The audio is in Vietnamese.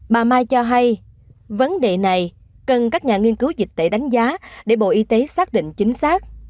bà mai cho hay vấn đề này cần các nhà nghiên cứu dịch tễ đánh giá để bộ y tế xác định chính xác